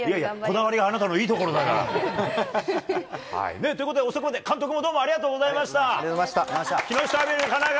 こだわりがあなたのいいところだから。ということで遅くまで、監督もどうもありがとうございました。